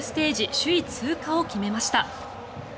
首位通過を決めました。